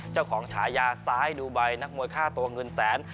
เจ้าของฉายาซ้ายดูไบนักมวยฆ่าตัวเงินแสน